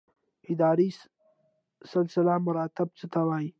اداري سلسله مراتب څه ته وایي؟